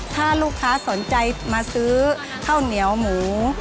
ถ้าลูกค้าสนใจมาซื้อข้าวเหนียวหมู